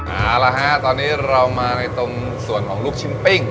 เอาละฮะตอนนี้เรามาในตรงส่วนของลูกชิ้นปิ้ง